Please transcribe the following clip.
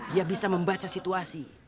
dia bisa membaca situasi